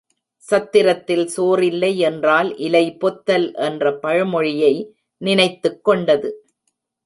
சத்திரத்தில் சோறில்லை என்றால் இலை பொத்தல் என்ற பழமொழியை நினைத்துக்கொண்டது.